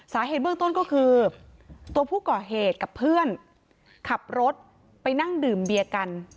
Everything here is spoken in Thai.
สาเหตุเบื้องต้นก็คือตัวผู้ก่อเหตุกับเพื่อนขับรถไปนั่งดื่มเบียร์กัน